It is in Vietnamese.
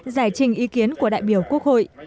giải trình ý kiến của đại biểu quốc hội